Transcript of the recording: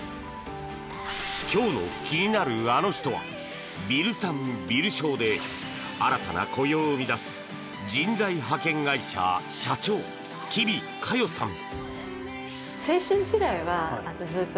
今日の気になるアノ人はビル産ビル消で新たな雇用を生み出す人材派遣会社社長吉備カヨさん。